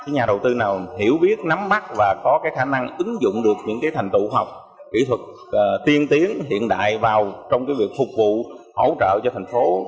nhà đầu tư nào hiểu biết nắm bắt và có khả năng ứng dụng được những thành tụ học kỹ thuật tiên tiến hiện đại vào trong việc phục vụ hỗ trợ cho thành phố